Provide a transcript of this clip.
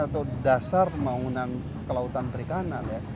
atau dasar pembangunan kelautan perikanan ya